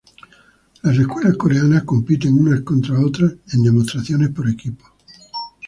Las escuelas coreanas compiten unas contra otras en demostraciones por equipos.